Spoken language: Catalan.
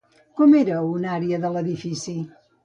Com era una àrea de l'edifici?